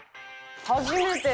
初めて！